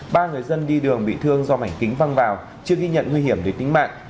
ba người dân đi đường bị thương do mảnh kính văng vào chưa ghi nhận nguy hiểm đến tính mạng